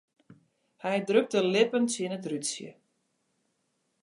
Hy drukt de lippen tsjin it rútsje.